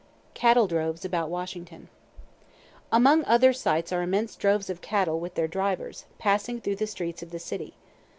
CATTLE DROVES ABOUT WASHINGTON Among other sights are immense droves of cattle with their drivers, passing through the streets of the city.